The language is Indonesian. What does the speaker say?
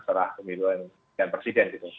setelah pemilihan presiden gitu